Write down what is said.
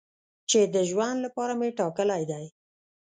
چې د ژوند لپاره مې ټاکلی دی.